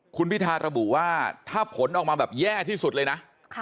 คุณพิธาระบุว่าถ้าผลออกมาแบบแย่ที่สุดเลยนะ